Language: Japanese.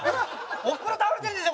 おふくろ倒れてるんですよ。